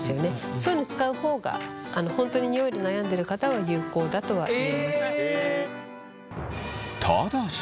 そういうのを使う方が本当にニオイで悩んでる方は有効だとは思います。